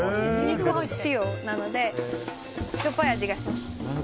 塩なのでしょっぱい味がします。